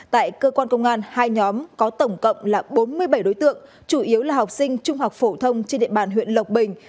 tại cơ quan công an hai nhóm có tổng cộng là bốn mươi bảy đối tượng chủ yếu là học sinh trung học phổ thông trên địa bàn huyện lộc bình